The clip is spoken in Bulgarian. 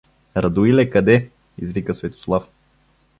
— Радоиле, къде? — извика Светослав.